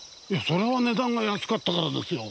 そりゃあ値段が安かったからですよ。